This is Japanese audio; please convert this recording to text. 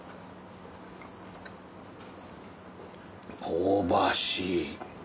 香ばしい。